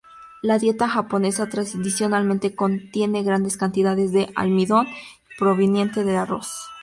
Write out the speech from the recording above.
La dieta japonesa, tradicionalmente, contiene grandes cantidades de almidón proveniente del arroz.